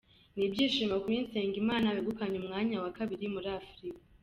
Ni ibyishimo kuri Nsengimana wegukanye umwanya wa kabiri muri Afurika